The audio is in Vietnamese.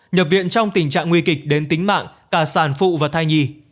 nhập viện trong tình trạng nguy kịch đến tính mạng cả sản phụ và thai nhi